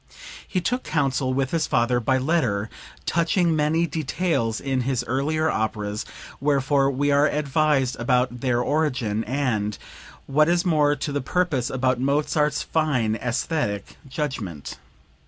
He took counsel with his father by letter touching many details in his earlier operas, wherefore we are advised about their origin, and, what is more to the purpose, about Mozart's fine aesthetic judgment.